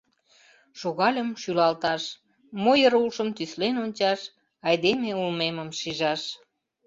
Шогальым шӱлалташ, мо йыр улшым тӱслен ончаш, айдеме улмемым шижаш.